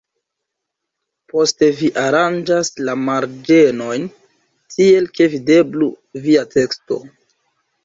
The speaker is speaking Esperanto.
Poste vi aranĝas la marĝenojn tiel, ke videblu via teksto.